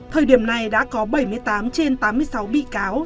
thời điểm này đã có bảy mươi tám trên tám mươi sáu bị cáo